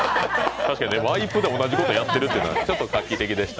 確かにワイプで同じことやってるというのは画期的でした。